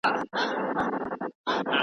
آیا ته د خپل ښار په جوړښت پوهېږې؟